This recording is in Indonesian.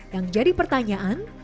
yang jadi pertanyaan